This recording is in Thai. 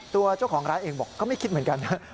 ตัวเจ้าของร้านเองบอกก็ไม่คิดเหมือนกันนะ